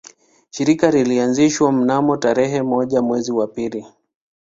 Shirika lilianzishwa mnamo tarehe moja mwezi wa pili